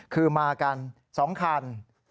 คือมากัน๒คัน